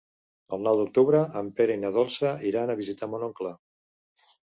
El nou d'octubre en Pere i na Dolça iran a visitar mon oncle.